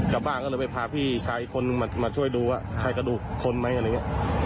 กลับบ้านก็เลยไปพาพี่ชายอีกคนนึงมาช่วยดูว่าใครกระดูกคนไหมอะไรอย่างนี้